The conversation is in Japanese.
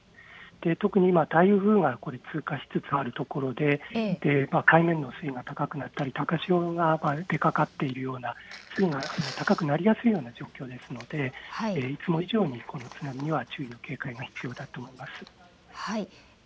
特に今、台風が通過しつつあるところで、海面の水位が高くなったり高潮が出かかっているような、水位が高くなりやすいような状況なのでいつも以上に注意警戒が必要だと思います。